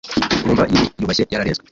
wumva yiyubashye, yararezwe